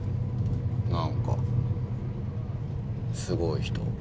何かすごい人。